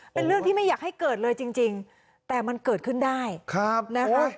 เป็นเรื่องที่ไม่อยากให้เกิดเลยจริงแต่มันเกิดขึ้นได้นะคะ